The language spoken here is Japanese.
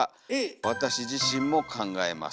わたし自しんも考えます」。